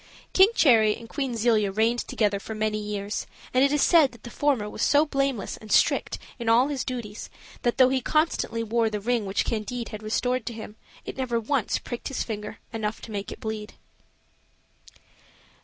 King Cherry and Queen Zelia reigned together for many years, and it is said that the former was so blameless and strict in all his duties that though he constantly wore the ring which Candide had restored to him, it never once pricked his finger enough to make it bleed.